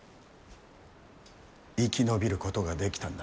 生き延びることができたんだ。